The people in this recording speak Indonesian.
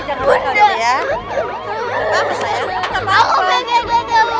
ayah ngu passat